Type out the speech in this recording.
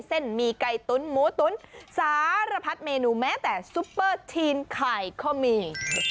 หมี่ไก่ตุ๋นหมูตุ๋นสารพัดเมนูแม้แต่ซุปเปอร์ทีนไข่ก็มี